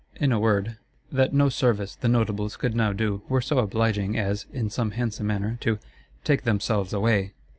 In a word, that no service the Notables could now do were so obliging as, in some handsome manner, to—take themselves away!